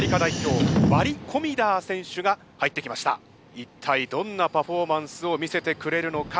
一体どんなパフォーマンスを見せてくれるのか！？